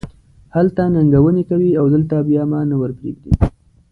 هلته ننګونې کوې او دلته بیا ما نه ور پرېږدې.